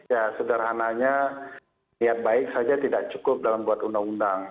ya sederhananya niat baik saja tidak cukup dalam buat undang undang